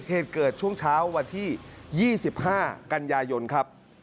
เหตุเกิดช่วงเช้าวันที่๒๕กันยายนครับ